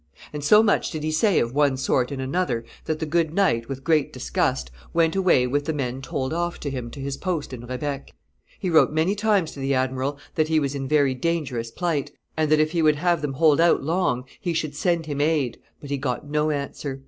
And so much did he say of one sort and another that the good knight, with great disgust, went away with the men told off to him to his post in Rebec. He wrote many times to the admiral that he was in very dangerous plight, and that, if he would have them hold out long, he should send him aid; but he got no answer.